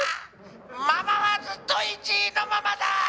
「ママはずっと１位のままだ！」